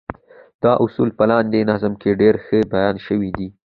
دا اصل په لاندې نظم کې ډېر ښه بيان شوی دی.